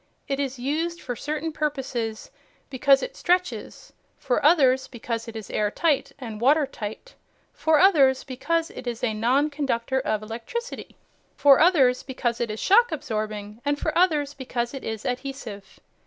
It is used for certain purposes because it stretches, for others because it is airtight and watertight, for others because it is a non conductor of electricity, for others because it is shock absorbing, and for others because it is adhesive.